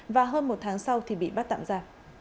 và hơn một tháng sau thì bị bắt tạm ra